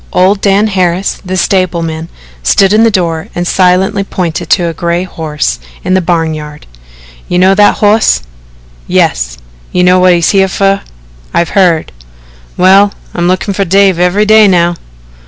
Old Dan Harris, the stableman, stood in the door and silently he pointed to a gray horse in the barn yard. "You know that hoss?" "Yes." "You know whut's he here fer?" "I've heard." "Well, I'm lookin' fer Dave every day now."